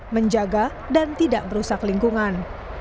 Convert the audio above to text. menjaga dan tidak merusak lingkungan